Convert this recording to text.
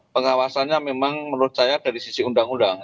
pengawasannya memang menurut saya dari sisi undang undang